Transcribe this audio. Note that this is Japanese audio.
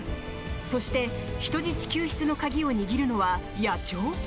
そして、人質救出の鍵を握るのは野鳥？